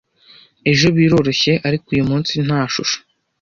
Ejo biroroshye, ariko uyumunsi nta shusho,